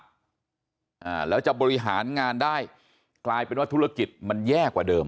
อ่าแล้วจะบริหารงานได้กลายเป็นว่าธุรกิจมันแย่กว่าเดิม